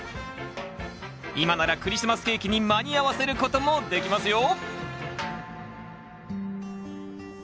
今ならクリスマスケーキに間に合わせることもできますよ